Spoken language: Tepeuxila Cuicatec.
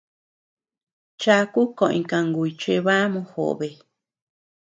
Chaku koʼoñ kangùy chebá mojobe.